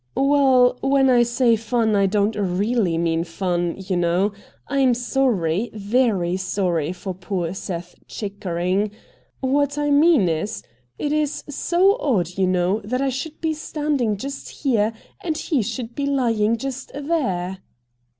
' Well, when I say fun I don't really mean fun you know. I am sorry, very sorry for poor Seth Chickering. What I mean is, it is so odd, you know, that I should be stand ing just here, and he should be lying just there